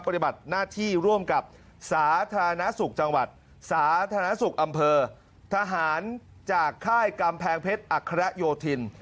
ปฏิบัติหน้าที่ร่วมกับสาธารณสุขจังหวัดสาธารณสุขอำเภอทหารจากค่ายกำแพงเพชรอัคระโยธิน